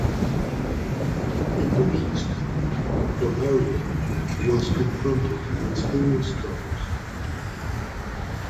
In the East, Valerian was confronted with serious troubles.